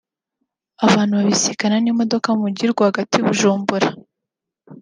abantu babisikana n’imodoka mu mujyi rwagati i Bujumbura